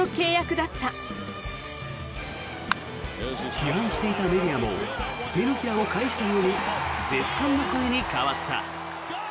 批判していたメディアも手のひらを返したように絶賛の声に変わった。